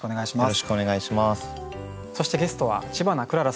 よろしくお願いします。